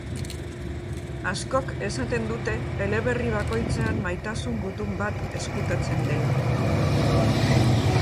Askok esaten dute eleberri bakoitzean maitasun gutun bat ezkutatzen dela.